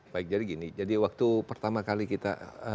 baik jadi gini jadi waktu pertama kali kita